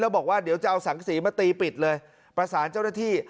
บอกว่าเดี๋ยวจะเอาสังสีมาตีปิดเลยประสานเจ้าหน้าที่